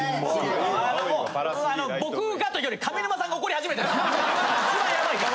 あのもう僕がというより上沼さんが怒りはじめてるから一番ヤバいから。